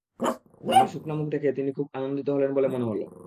আমার শুকনা মুখ দেখে তিনি খুব আনন্দিত হলেন বলে মনে হলো।